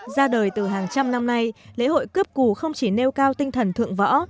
ra đời từ hàng trăm năm nay lễ hội cướp cù không chỉ nêu cao tinh thần thượng võ